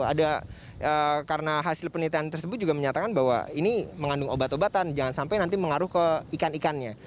ada karena hasil penelitian tersebut juga menyatakan bahwa ini mengandung obat obatan jangan sampai nanti mengaruh ke ikan ikannya